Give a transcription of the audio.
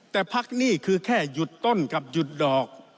แต่พักหนี้คือแค่หยุดต้นกับหยุดดอก